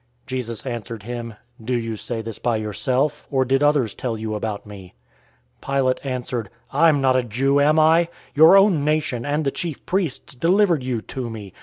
018:034 Jesus answered him, "Do you say this by yourself, or did others tell you about me?" 018:035 Pilate answered, "I'm not a Jew, am I? Your own nation and the chief priests delivered you to me.